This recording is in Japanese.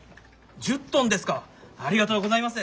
１０トンですかありがとうございます！